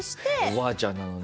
おばあちゃんなのに？